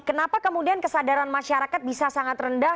kenapa kemudian kesadaran masyarakat bisa sangat rendah